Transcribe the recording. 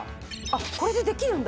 これでできるんだ。